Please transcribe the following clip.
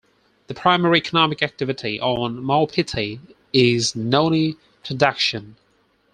The primary economic activity on Maupiti is noni production.